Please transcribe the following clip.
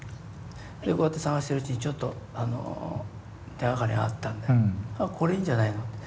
でこうやって探してるうちにちょっと手がかりがあったんであっこれいいんじゃないのって。